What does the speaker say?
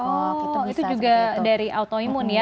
oh gitu itu juga dari autoimun ya